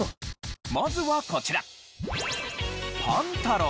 まずはこちら。